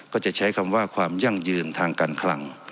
ก็จะใช้คำว่าความยั่งยืนทางการคลัง